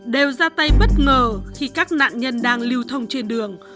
đều ra tay bất ngờ khi các nạn nhân đang lưu thông trên đường